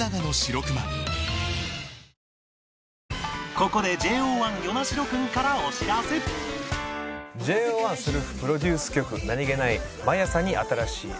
ここで「ＪＯ１ セルフプロデュース曲何げない毎朝に新しい笑顔を」